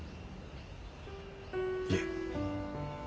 いえ。